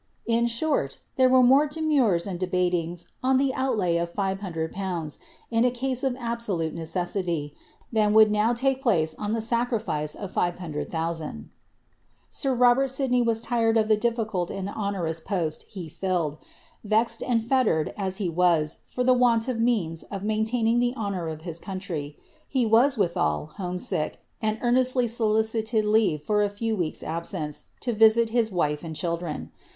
'"" In short, there were more demurs mJ dcbaiings on the outlay of five hundred pounds in a case of absolute necessity, than would now lake place on the sacrifice of five hundred Sir Robert Sidney was tired of the diflicult and onerous post he filk'd ; vexed and fettered as he was for want of the means of maintaio ing the honour of his country, he was, withal, home sick, and earnesiir snlicited leave of a few weeks' absence, to visit his wife anti childreu.